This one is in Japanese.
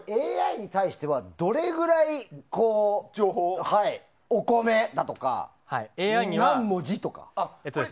ＡＩに対してはどれぐらいの情報としてお米とか何文字とか。